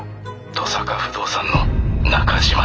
登坂不動産の中島です。